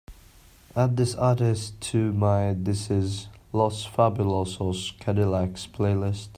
add this artist to my this is Los Fabulosos Cadillacs playlist